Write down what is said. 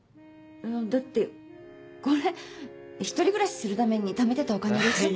だってこれ１人暮らしするためにためてたお金でしょ？